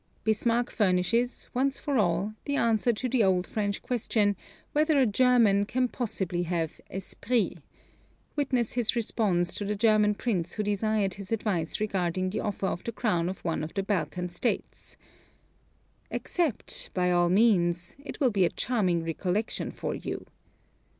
Bismarck furnishes, once for all, the answer to the old French question, whether a German can possibly have esprit witness his response to the German prince who desired his advice regarding the offer of the crown of one of the Balkan States: "Accept, by all means: it will be a charming recollection for you."